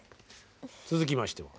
続きまして